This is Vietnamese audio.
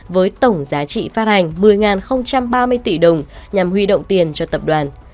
với tổng giá trị phát hành một mươi ba mươi tỷ đồng nhằm huy động tiền cho tập đoàn